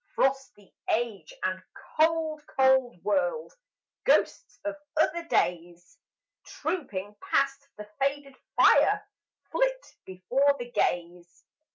Frosty Age and cold, cold World! Ghosts of other days, Trooping past the faded fire, Flit before the gaze.